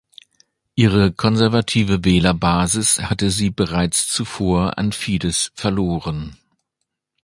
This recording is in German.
Ihre konservative Wählerbasis hatte sie bereits zuvor an Fidesz verloren.